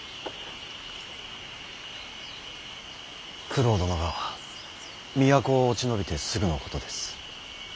九郎殿が都を落ち延びてすぐのことです。